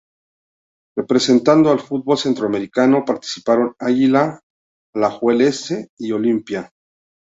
Representando al fútbol centroamericano, participaron Águila, Alajuelense y Olimpia.